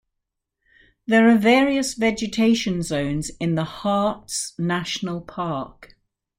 There are various vegetation zones in the Harz National Park.